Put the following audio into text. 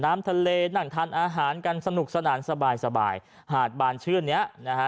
น้ำทะเลนั่งทานอาหารกันสนุกสนานสบายสบายหาดบานชื่นเนี้ยนะฮะ